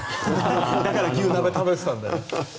だから、牛鍋食べてたんだよ。